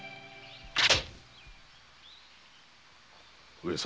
上様